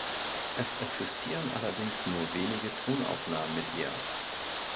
Es existieren allerdings nur wenige Tonaufnahmen mit ihr.